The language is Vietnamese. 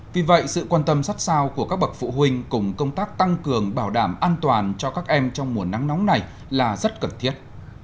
vì vậy sự quan tâm sát sao của các bậc phụ huynh cùng công tác tăng cường bảo đảm an toàn cho các em trong mùa nắng nóng này là rất cần thiết